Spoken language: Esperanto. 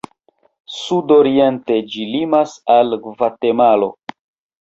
Sudoriente ĝi limas al Gvatemalo.